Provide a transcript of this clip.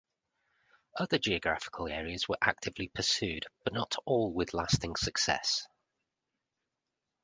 Other geographical areas were actively pursued but not all with lasting success.